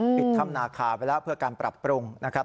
ปิดถ้ำนาคาไปแล้วเพื่อการปรับปรุงนะครับ